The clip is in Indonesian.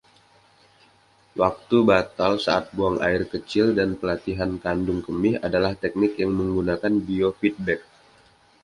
Waktu batal saat buang air kecil dan pelatihan kandung kemih adalah teknik yang menggunakan biofeedback.